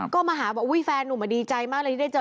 ก็มาหาบอกอุ้ยแฟนนุ่มดีใจมากเลยที่ได้เจอ